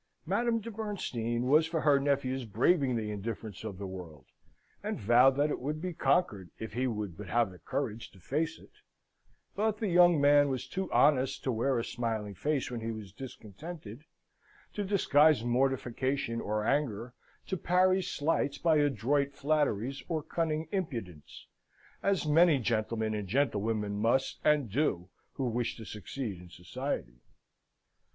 Madame de Bernstein was for her nephew's braving the indifference of the world, and vowed that it would be conquered, if he would but have courage to face it; but the young man was too honest to wear a smiling face when he was discontented; to disguise mortification or anger; to parry slights by adroit flatteries or cunning impudence; as many gentlemen and gentlewomen must and do who wish to succeed in society.